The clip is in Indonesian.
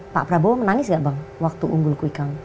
pak prabowo menangis gak bang waktu unggul kuikan